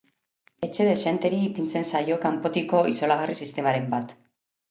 Etxe dexenteri ipintzen zaio kanpotiko isolagarri sistemaren bat.